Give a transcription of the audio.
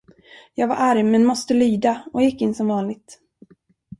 Jag var arg, men måste lyda, och gick in som vanligt.